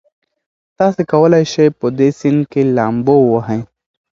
تاسي کولای شئ په دې سیند کې لامبو ووهئ.